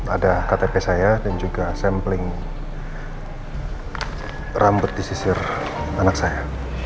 ada ktp saya dan juga sampling rambut di sisir anak saya